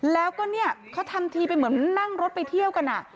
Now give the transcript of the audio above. แล้วก็เนี่ยเขาทำทีเป็นเหมือนนั่งรถไปเที่ยวกัน